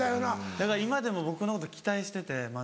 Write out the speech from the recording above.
だから今でも僕のこと期待しててまだ。